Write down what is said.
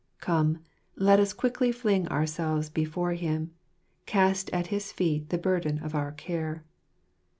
Come, let us quickly fling ourselves before Him, Cast at His feet the burden of our care.